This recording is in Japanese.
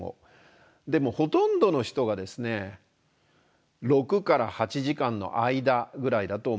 でもほとんどの人がですね６８時間の間ぐらいだと思って下さい。